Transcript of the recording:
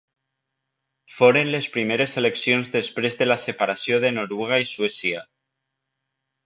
Foren les primeres eleccions després de la separació de Noruega i Suècia.